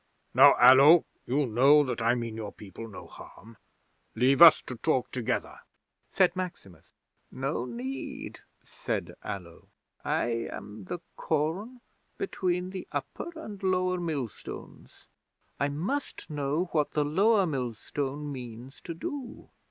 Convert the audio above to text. Now, Allo, you know that I mean your people no harm. Leave us to talk together," said Maximus. '"No need!" said Allo. "I am the corn between the upper and lower millstones. I must know what the lower millstone means to do.